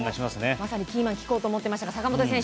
まさにキーマンを聞こうと思ってましたが坂本選手